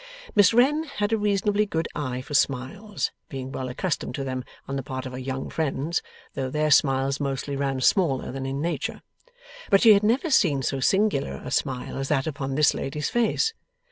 Miss Wren had a reasonably good eye for smiles, being well accustomed to them on the part of her young friends, though their smiles mostly ran smaller than in nature. But she had never seen so singular a smile as that upon this lady's face.